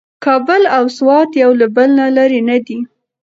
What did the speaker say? کابل او سوات یو له بل نه لرې نه دي.